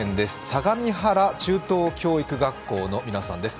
相模原中等教育学校の皆さんです。